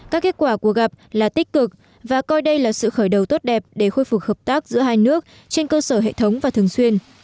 các kết quả của gặp là tích cực và coi đây là sự khởi đầu tốt đẹp để khôi phục hợp tác giữa hai nước trên cơ sở hệ thống và thường xuyên